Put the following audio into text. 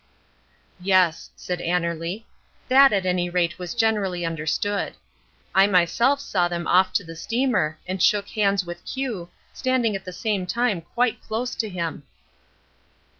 "Yes," said Annerly, "that at any rate was generally understood. I myself saw them off on the steamer, and shook hands with Q, standing at the same time quite close to him."